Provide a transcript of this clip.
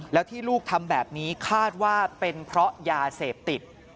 แล้วที่ลูกทำแบบนี้คาดว่าเป็นเพราะยาเสพติด